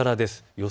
予想